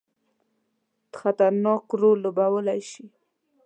خطرناک رول لوبولای شي.